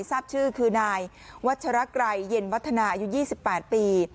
ทราบชื่อคือนายวัชรไกรเย็นวัฒนาอายุ๒๘ปี